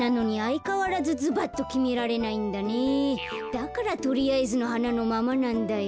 だからとりあえずのはなのままなんだよ。